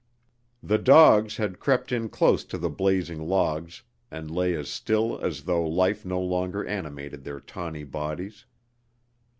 The dogs had crept in close to the blazing logs and lay as still as though life no longer animated their tawny bodies.